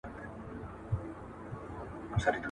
یا را یاد کم یو په یو هغه ځایونه ,